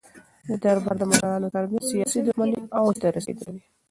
د دربار د مشرانو ترمنځ سیاسي دښمنۍ اوج ته رسېدلې وې.